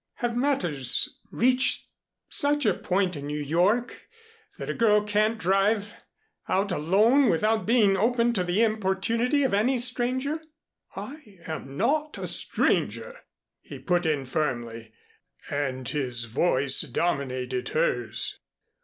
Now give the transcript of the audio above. "Have matters reached such a point in New York that a girl can't drive out alone without being open to the importunity of any stranger?" "I am not a stranger," he put in firmly, and his voice dominated hers.